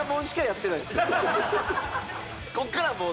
ここからはもう。